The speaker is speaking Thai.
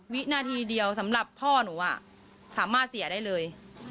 วินาทีเดียวสำหรับพ่อหนูสามารถเสียได้เลย